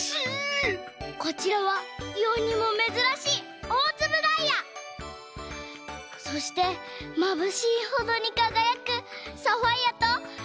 こちらはよにもめずらしいおおつぶダイヤ！そしてまぶしいほどにかがやくサファイアとルビー。